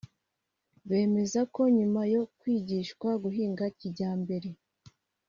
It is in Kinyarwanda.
Bemeza ko nyuma yo kwigishwa guhinga kijyambere